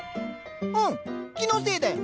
うん気のせいだよ。